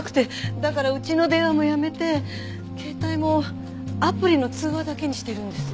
だからうちの電話もやめて携帯もアプリの通話だけにしてるんです。